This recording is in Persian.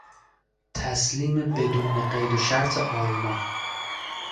تسلیم بدون قیدو شرط آلمان